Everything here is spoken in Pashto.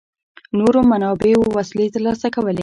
نورو منابعو وسلې ترلاسه کولې.